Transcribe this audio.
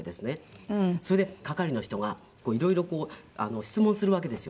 それで係の人が色々質問するわけですよ。